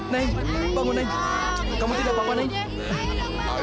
neng bangun neng kamu tidak apa apa neng